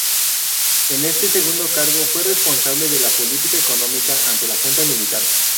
En este segundo cargo, fue responsable de la política económica ante la junta militar.